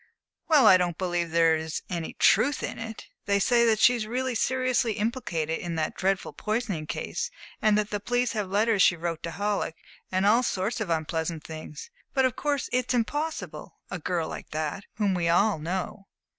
"Well, I don't believe there is any truth in it. They say that she is really seriously implicated in that dreadful poisoning case; that the police have letters she wrote to Halleck, and all sorts of unpleasant things. But of course it's impossible a girl like that, whom we all know!"